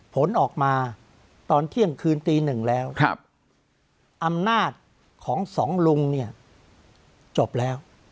ผลออกมาตอนเที่ยงคืนตีหนึ่งแล้วอำนาจของสองลุงเนี่ยจบแล้ว